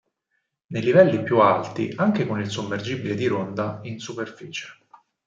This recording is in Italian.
Nei livelli più alti anche con il sommergibile di ronda in superficie.